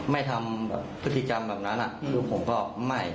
ไม่ทำพฤติจำแบบนั้นอ่ะผมก็ไม่